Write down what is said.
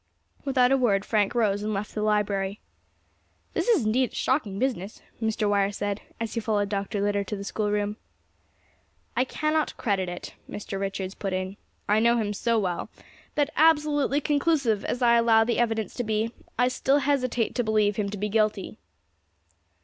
Without a word Frank rose and left the library. "This is indeed a shocking business," Mr. Wire said, as he followed Dr. Litter to the schoolroom. "I cannot credit it," Mr. Richards put in; "I know him so well, that, absolutely conclusive as I allow the evidence to be, I still hesitate to believe him to be guilty."